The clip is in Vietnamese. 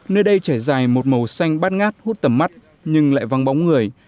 nơi đây trải dài một màu xanh bát ngát hút tầm mắt nhưng lại vang bóng người